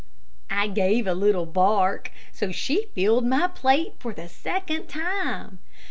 I gave a little bark, so she filled my plate for the second time.